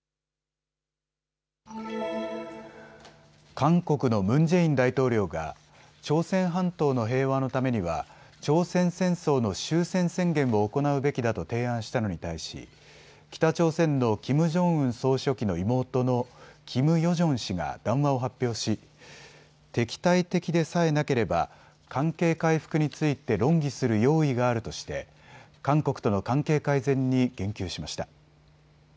韓国のムン・ジェイン大統領が朝鮮半島の平和のためには朝鮮戦争の終戦宣言を行うべきだと提案したのに対し北朝鮮のキム・ジョンウン総書記の妹のキム・ヨジョン氏が談話を発表し敵対的でさえなければ関係回復について論議する用意があるとして韓国との関係改善に言及しました。